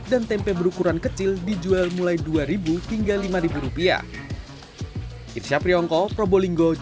dan tempe berukuran kecil dijual mulai dua hingga lima rupiah